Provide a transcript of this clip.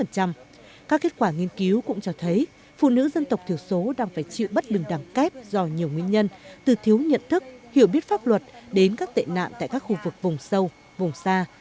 các kết quả nghiên cứu cũng cho thấy phụ nữ dân tộc thiểu số đang phải chịu bất đường đẳng kép do nhiều nguyên nhân từ thiếu nhận thức hiểu biết pháp luật đến các tệ nạn tại các khu vực vùng sâu vùng xa